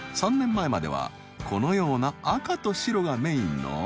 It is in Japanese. ３年前まではこのような赤と白がメインの